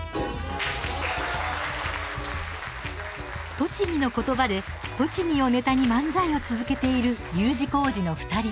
栃木の言葉で栃木をネタに漫才を続けているＵ字工事の２人。